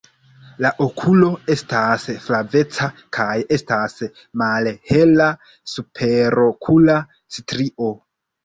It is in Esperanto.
La okulo estas flaveca kaj estas malhela superokula strio.